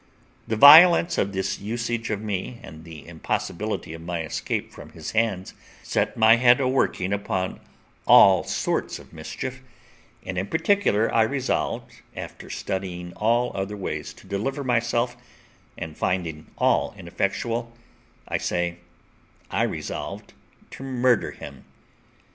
The violence of this usage of me, and the impossibility of my escape from his hands, set my head a working upon all sorts of mischief, and in particular I resolved, after studying all other ways to deliver myself, and finding all ineffectual, I say, I resolved to murder him.